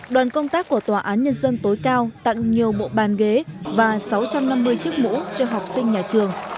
đoàn công tác của tòa án nhân dân tối cao tặng nhiều bộ bàn ghế và sáu trăm năm mươi chiếc mũ cho học sinh nhà trường